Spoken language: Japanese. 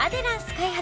開発